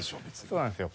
そうなんですよ。